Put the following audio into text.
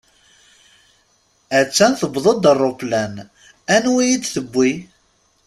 A-tt-an tewweḍ-d ṛṛuplan, Anwi i d-tewwi.